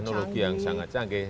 teknologi yang sangat canggih